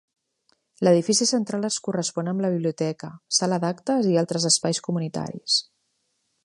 L'edifici central es correspon amb la biblioteca, sala d'actes i altres espais comunitaris.